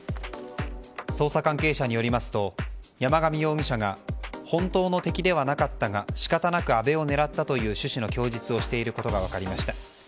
捜査関係者によりますと山上容疑者が本当の敵ではなかったが仕方なく安倍を狙ったという趣旨の供述をしていることが分かりました。